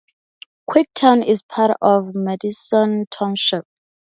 Quicktown is part of Madison Township.